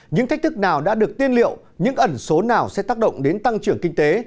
những thách thức nào đã được tiên liệu những ẩn số nào sẽ tác động đến tăng trưởng kinh tế